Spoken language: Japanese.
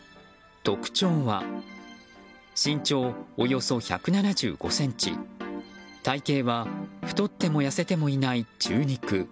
特徴は、身長およそ１７５ｃｍ体形は太っても痩せてもいない中肉。